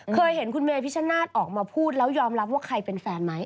เคยเห็นคุณเมพิชชนาธิ์ออกมาพูดแล้วยอมรับว่าใครเป็นแฟนไหม